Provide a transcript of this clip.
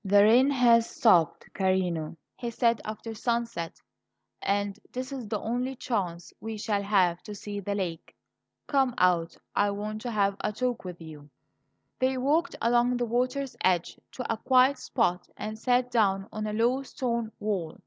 "The rain has stopped, carino," he said after sunset; "and this is the only chance we shall have to see the lake. Come out; I want to have a talk with you." They walked along the water's edge to a quiet spot and sat down on a low stone wall.